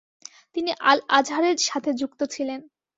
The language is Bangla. তিনি আল-আজহারের সাথে যুক্ত ছিলেন।